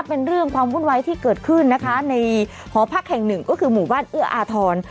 เป็นเรื่องความวุ่นวายที่เกิดขึ้นนะคะในหอพักแห่งหนึ่งก็คือหมู่บ้านเอื้ออาทร